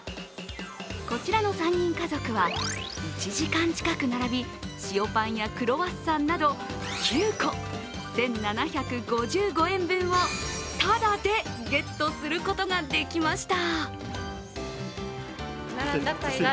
こちらの３人家族は１時間近く並び塩パンやクロワッサンなど９個１７５５円分をただでゲットすることができました。